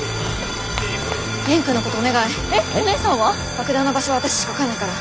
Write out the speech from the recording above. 爆弾の場所は私しか分かんないから。